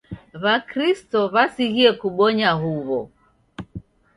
W'akristo w'asighie kubonya huw'o.